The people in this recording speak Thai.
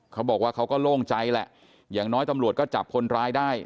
เขาบอกว่าเขาก็โล่งใจแหละอย่างน้อยตำรวจก็จับคนร้ายได้